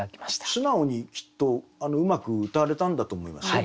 素直にきっとうまくうたわれたんだと思いますよ